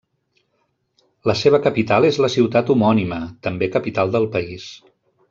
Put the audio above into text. La seva capital és la ciutat homònima, també capital del país.